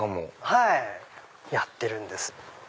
はいやってるんです。